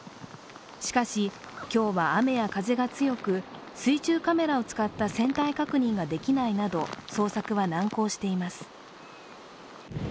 しかし、今日は雨や風が強く、水中カメラを使った船体確認ができないなど捜索は難航しています。